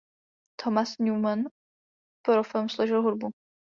Thomas Newman pro film složil hudbu.